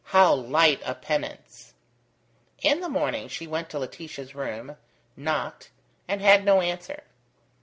How light a penance! In the morning, she went to Laetitia's room, knocked, and had no answer.